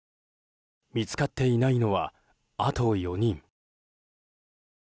見つかっていないのはあと４人。